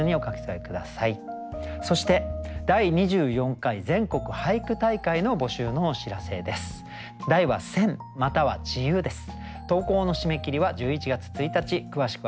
そして第２４回全国俳句大会の募集のお知らせです。